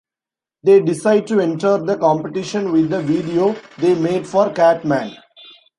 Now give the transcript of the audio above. They decide to enter the competition with the video they made of Cartman.